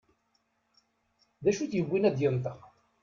D acu i t-yewwin ad d-yenṭeq?